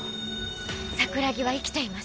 桜木は生きています。